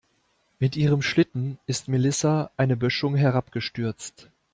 Mit ihrem Schlitten ist Melissa eine Böschung herabgestürzt.